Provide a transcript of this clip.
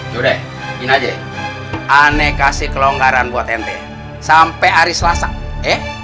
yodeh ini aja aneh kasih kelonggaran buat ente sampe hari selasa eh